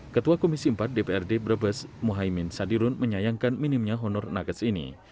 ketua komisi empat dprd brebes muhaymin sadirun menyayangkan minimnya honor nagas ini